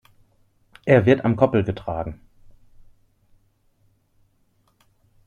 Er wird am Koppel getragen.